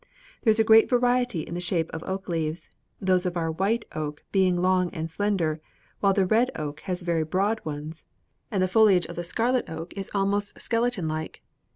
There is a great variety in the shape of oak leaves, those of our white oak being long and slender, while the red oak has very broad ones, and the foliage of the scarlet oak is almost skeleton like.